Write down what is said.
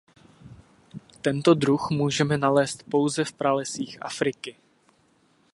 Tento druh můžeme nalézt pouze v pralesích Afriky.